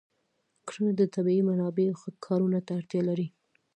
کرنه د طبیعي منابعو ښه کارونه ته اړتیا لري.